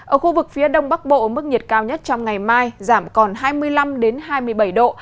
ở khu vực phía đông bắc bộ mức nhiệt cao nhất trong ngày mai giảm còn hai mươi năm hai mươi bảy độ